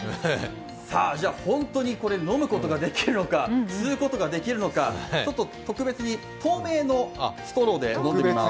さぁ、本当にこれ飲むことができるのか、吸うことができるのか特別に透明のストローで飲んでみます。